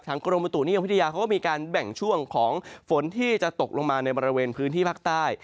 กรมบุตุนิยมวิทยาเขาก็มีการแบ่งช่วงของฝนที่จะตกลงมาในบริเวณพื้นที่ภาคใต้